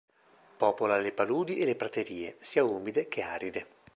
Popola le paludi e le praterie, sia umide che aride.